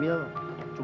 di rumah anak kamu